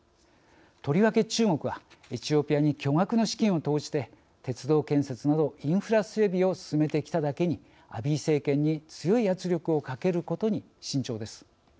とりわけ中国はエチオピアに巨額な資金を投じて鉄道建設などインフラ整備を進めてきただけにアビー政権に強い圧力をかけることに慎重です。